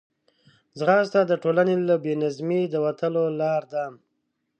ځغاسته د ټولنې له بې نظمۍ د وتلو لار ده